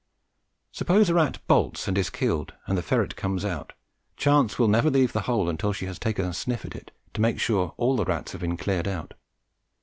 Suppose a rat bolts and is killed and the ferret comes out, Chance will never leave the hole till she has taken a sniff at it to make sure all the rats have been cleared out.